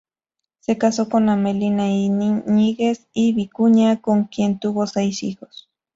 Se casó con Amelia Íñiguez y Vicuña, con quien tuvo seis hijos.